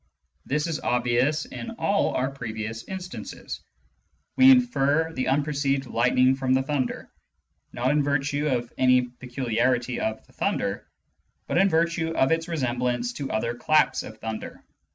This is obviqjis in all our previous instances : we infer the unperceived lightning from the thunder, not in virtue of any peculiarity of the thunder, but in virtue of its resemblance to other claps of thunder.